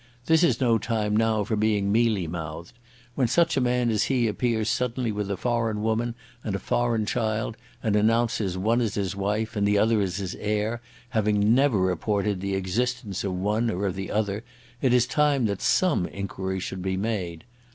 This is no time now for being mealy mouthed. When such a man as he appears suddenly with a foreign woman and a foreign child, and announces one as his wife and the other as his heir, having never reported the existence of one or of the other, it is time that some enquiry should be made.